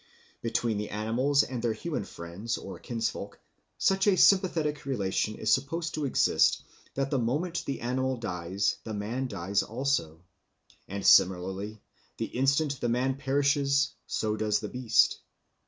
Between the animals and their human friends or kinsfolk such a sympathetic relation is supposed to exist that the moment the animal dies the man dies also, and similarly the instant the man perishes so does the beast.